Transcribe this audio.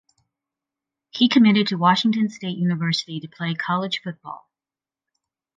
He committed to Washington State University to play college football.